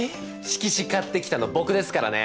色紙買ってきたの僕ですからね！